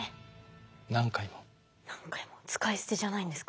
使い捨てじゃないんですか？